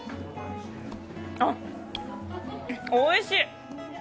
あっ、おいしい！